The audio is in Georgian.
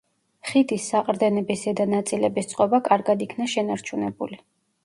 ხიდის საყრდენების ზედა ნაწილების წყობა კარგად იქნა შენარჩუნებული.